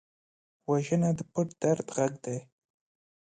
وژنه د پټ درد غږ دی